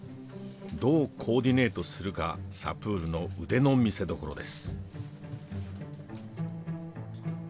どうコーディネートするかサプールの腕の見せどころです。